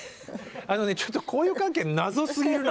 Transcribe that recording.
あのねちょっと交友関係謎すぎるな。